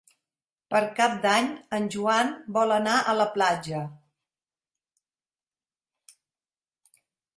Per Cap d'Any en Joan vol anar a la platja.